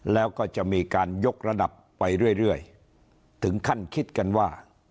แล้วก็จะมีการยกระดับไปเรื่อยถึงขั้นคิดกันว่า